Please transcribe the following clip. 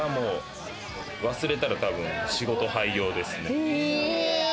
忘れたら多分、仕事廃業ですね。